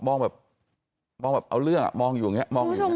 มองแบบเอาเรื่องมองอยู่อย่างนี้